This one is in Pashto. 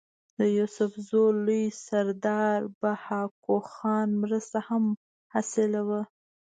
د يوسفزو لوئ سردار بهاکو خان مرسته هم حاصله وه